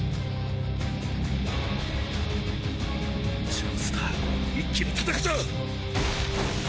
チャンスだ一気に叩くぞ！